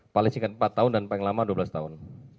paling singkat empat tahun dan paling lama dua belas tahun